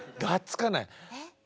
がっつかない。